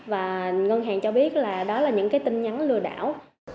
và ngân hàng cho biết là đó là những cái tin nhắn lừa đảo